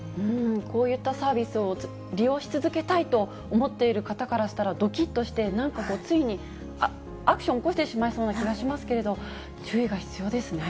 こういったサービスを利用し続けたいと思っている方からしたら、どきっとして、なんかついアクション起こしてしまいそうな気がしますけれど、注意が必要ですね。